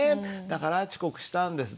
だから遅刻したんです。